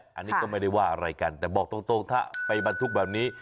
อันนี้ก็ไม่ได้ว่าอะไรกันแต่บอกตรงถ้าไปบรรทุกแบบนี้